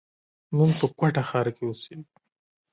موږ په کوټه ښار کښي اوسېږي.